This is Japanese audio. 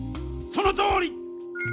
そのとおり！